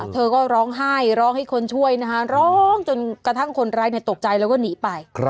เธอก็ร้องไห้ร้องให้คนช่วยนะคะร้องจนกระทั่งคนร้ายตกใจแล้วก็หนีไป